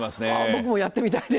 僕もやってみたいです。